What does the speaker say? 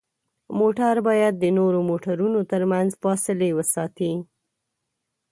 موټر باید د نورو موټرونو ترمنځ فاصلې وساتي.